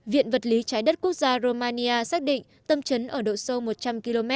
viện vật lý trái đất quốc gia romania xác định tâm trấn ở độ sâu một trăm linh km